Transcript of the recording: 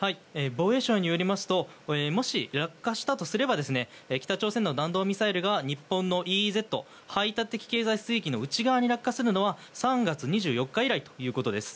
防衛省によりますともし落下したとすれば北朝鮮の弾道ミサイルが日本のＥＥＺ・排他的経済水域の内側に落下するのは３月２４日以来ということです。